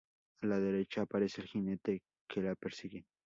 A la derecha, aparece el jinete que la persigue.